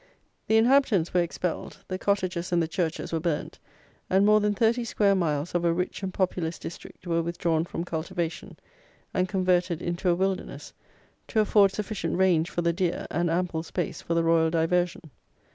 The inhabitants were expelled: the cottages and the churches were burnt; and more than thirty square miles of a rich and populous district were withdrawn from cultivation, and converted into a wilderness, to afford sufficient range for the deer, and ample space for the royal diversion.